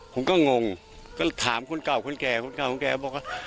ผมก็งงก็ถามคนเก่าคนแก่โป๊คว้า